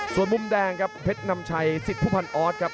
ส่วนมุมแดงครับเพชรนำชัยสิทธิพันธ์ออสครับ